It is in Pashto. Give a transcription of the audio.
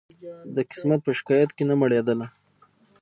د قسمت په شکایت نه مړېدله